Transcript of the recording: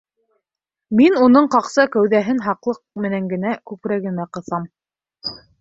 Мин уның ҡаҡса кәүҙәһен һаҡлыҡ менән генә күкрәгемә ҡыҫам.